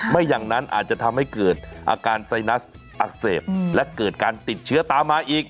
ไม่อย่างนั้นอาจจะทำให้เกิดอาการไซนัสอักเสบและเกิดการติดเชื้อตามมาอีก